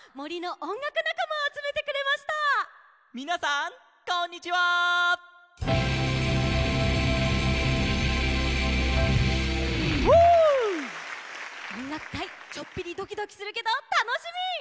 おんがくかいちょっぴりドキドキするけどたのしみ！